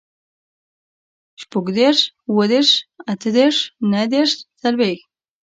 شپوږدېرش, اوهدېرش, اتهدېرش, نهدېرش, څلوېښت